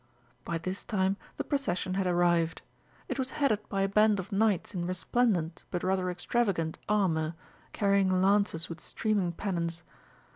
By this time the procession had arrived. It was headed by a band of knights in resplendent but rather extravagant armour, carrying lances with streaming pennons.